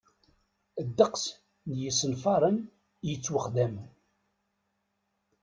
Ddeqs n yisenfaṛen i yettwaxdamen.